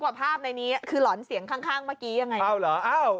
ทางผู้ชมพอเห็นแบบนี้นะทางผู้ชมพอเห็นแบบนี้นะ